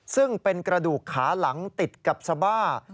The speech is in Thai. ซึ่งเป็นกระดูกขาหลังติดกับสบ้า